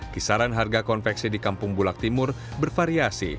kisaran harga konveksi di kampung bulak timur bervariasi